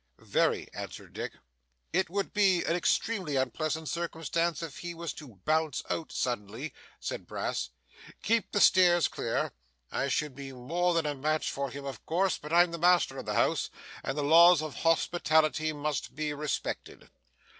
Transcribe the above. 'Very,' answered Dick. 'It would be an extremely unpleasant circumstance if he was to bounce out suddenly,' said Brass. 'Keep the stairs clear. I should be more than a match for him, of course, but I'm the master of the house, and the laws of hospitality must be respected.